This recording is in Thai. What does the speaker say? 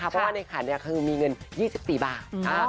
เพราะว่าในขันคือมีเงิน๒๐สิบสิบบาทครับ